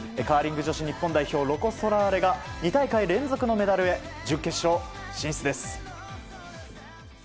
カーリング女子日本代表ロコ・ソラーレが２大会連続のメダルへ準決勝進出です。